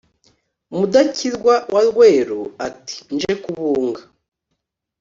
mudakirwa wa rweru ati: nje kubunga.